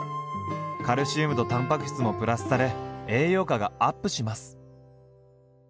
カルシウムとたんぱく質もプラスされ栄養価がアップします。